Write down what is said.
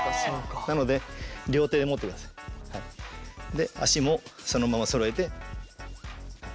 で足もそのままそろえて。